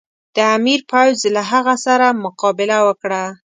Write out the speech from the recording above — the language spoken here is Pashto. د امیر پوځ له هغه سره مقابله وکړه.